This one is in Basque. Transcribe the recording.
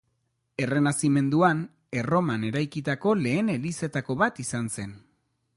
Errenazimenduan Erroman eraikitako lehen elizetako bat izan zen.